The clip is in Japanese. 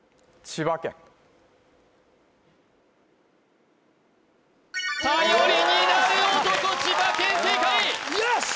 千葉県正解よし！